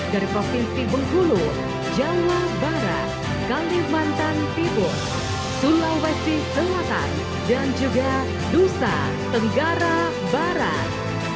dari provinsi bengkulu jawa barat kalimantan timur sulawesi selatan dan juga nusa tenggara barat